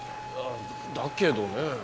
だけどね。